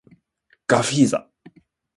ガフィーザ